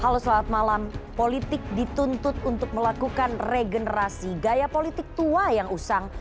halo selamat malam politik dituntut untuk melakukan regenerasi gaya politik tua yang usang